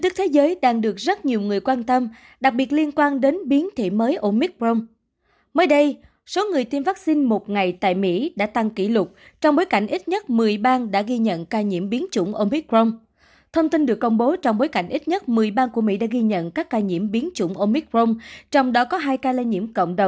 các bạn hãy đăng ký kênh để ủng hộ kênh của chúng mình nhé